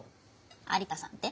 有田さんって？